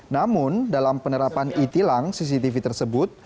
namun dalam penerapan e tilang cctv tersebut